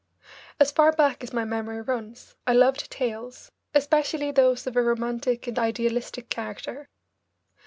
As far back as my memory runs I loved tales, especially those of a romantic and idealistic character.